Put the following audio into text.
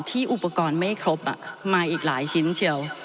อุปกรณ์ไม่ครบมาอีกหลายชิ้นเชียว